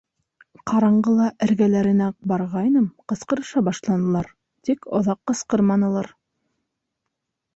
Ҡараңғыла эргәләренә барғайным, ҡысҡырыша башланылар, тик оҙаҡ ҡысҡырманылар.